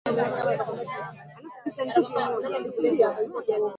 Ushirika na ujirani yote yanatufanya tuwe pamoja